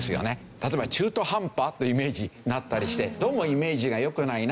例えば中途半端というイメージになったりしてどうもイメージが良くないな。